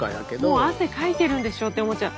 「もう汗かいてるんでしょ」って思っちゃう。